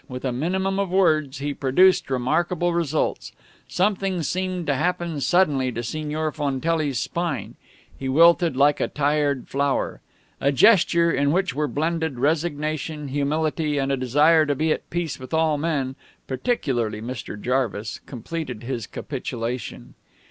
With a minimum of words he produced remarkable results. Something seemed to happen suddenly to Signor Fontelli's spine. He wilted like a tired flower. A gesture, in which were blended resignation, humility, and a desire to be at peace with all men, particularly Mr. Jarvis, completed his capitulation.